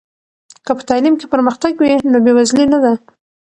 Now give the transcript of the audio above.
که په تعلیم کې پرمختګ وي، نو بې وزلي نه ده.